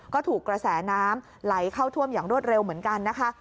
ก็ถูกกระแสน้ำไหลเข้าท่วมอย่างรวดเร็วเหมือนกันนะคะ